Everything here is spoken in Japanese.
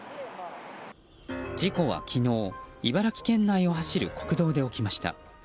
事故は昨日、茨城県内を走る国道で起きました。